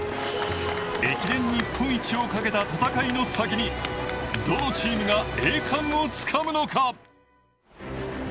駅伝日本一をかけた戦いの先にどのチームが栄冠をつかむのか。